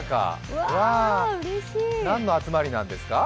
何の集まりなんですか？